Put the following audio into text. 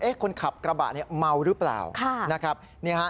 เอ๊ะคนขับกระบะเนี่ยเมาหรือเปล่าค่ะนะครับเนี่ยฮะ